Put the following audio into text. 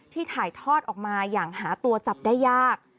ถ่ายทอดออกมาอย่างหาตัวจับได้ยาก